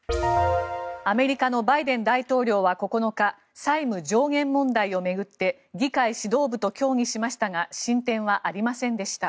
アメリカのバイデン大統領は９日債務上限問題を巡って議会指導部と協議しましたが進展はありませんでした。